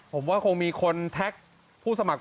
ผมว่าคงมีคนแท็กผู้สมัคร